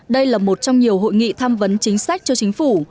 đây là một trong nhiều hội nghị tham vấn chính sách cho chính phủ